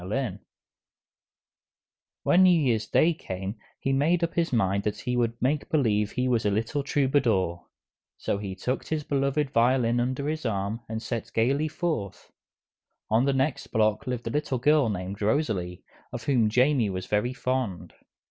When New Year's Day came he made up his mind that he would make believe he was a little troubadour. So he tucked his beloved violin under his arm and set gaily forth. On the next block lived a little girl named Rosalie, of whom Jamie was very fond.